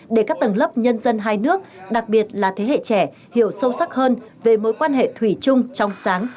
để các tầng lớp nhân dân hai nước đặc biệt là thế hệ trẻ hiểu sâu sắc hơn về mối quan hệ thủy chung trong sáng